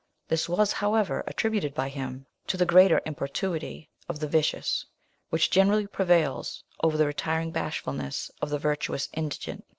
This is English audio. This was, however, attributed by him to the greater importunity of the vicious, which generally prevails over the retiring bashfulness of the virtuous indigent.